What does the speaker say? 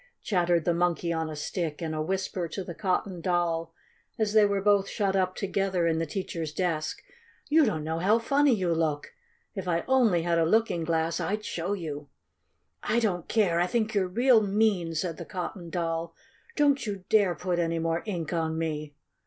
chattered the Monkey on a Stick in a whisper to the Cotton Doll, as they were both shut up together in the teacher's desk. "You don't know how funny you look! If I only had a looking glass I'd show you!" "I don't care! I think you're real mean!" said the Cotton Doll. "Don't you dare put any more ink on me!"